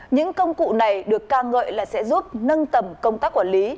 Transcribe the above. những công cụ này được ca ngợi là sẽ giúp nâng tầm công tác quản lý